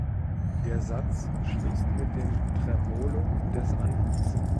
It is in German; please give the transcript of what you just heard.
Der Satz schließt mit dem Tremolo des Anfangs.